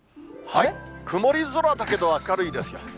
曇り空だけど明るいです。